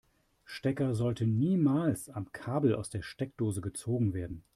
Stecker sollten niemals am Kabel aus der Steckdose gezogen werden.